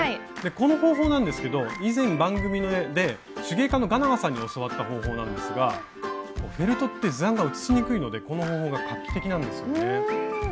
この方法なんですけど以前番組で手芸家のがなはさんに教わった方法なんですがフェルトって図案が写しにくいのでこの方法が画期的なんですよね。